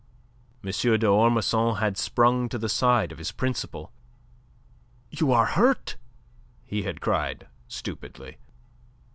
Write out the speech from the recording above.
M. d'Ormesson had sprung to the side of his principal. "You are hurt!" he had cried stupidly.